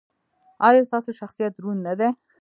ایا ستاسو شخصیت دروند نه دی؟